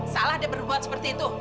salah dia berbuat seperti itu